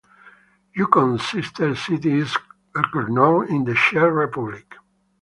Yukon's sister city is Krnov in the Czech Republic.